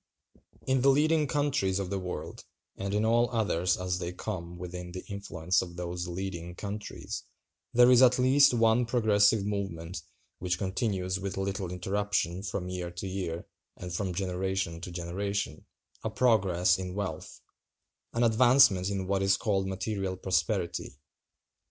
In the leading countries of the world, and in all others as they come within the influence of those leading countries, there is at least one progressive movement which continues with little interruption from year to year and from generation to generation—a progress in wealth; an advancement in what is called material prosperity.